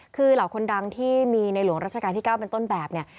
คือเหล่าคนดังที่มีในหลวงราชการที่๙เป็นต้นแบบเนี่ย